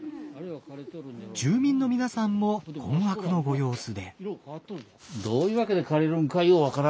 住民の皆さんも困惑のご様子で。